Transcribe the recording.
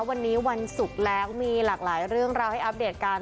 วันนี้วันศุกร์แล้วมีหลากหลายเรื่องราวให้อัปเดตกัน